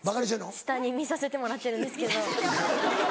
下に見させてもらってるんですけど。